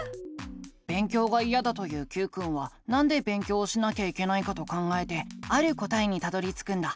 勉強がいやだと言うＱくんはなんで勉強をしなきゃいけないかと考えてある答えにたどりつくんだ。